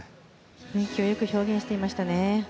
雰囲気をよく表現していましたね。